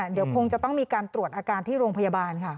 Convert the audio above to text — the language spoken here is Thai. เดี๋ยวคงจะต้องมีการตรวจอาการที่โรงพยาบาลค่ะ